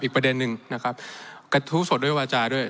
ประเด็นหนึ่งนะครับกระทู้สดด้วยวาจาด้วย